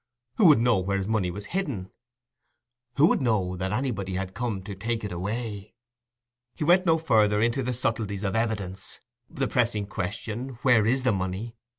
Who would know where his money was hidden? Who would know that anybody had come to take it away? He went no farther into the subtleties of evidence: the pressing question, "Where is the money?"